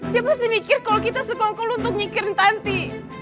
dia pasti mikir kalau kita suka suka lu untuk nyikirin tanti